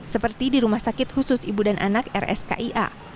seperti di rumah sakit khusus ibu dan anak rskia